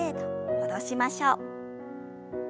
戻しましょう。